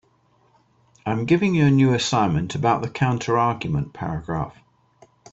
I am giving you a new assignment about the counterargument paragraph.